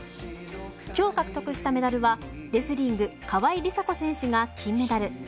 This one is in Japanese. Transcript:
今日獲得したメダルはレスリング川井梨紗子選手が金メダル。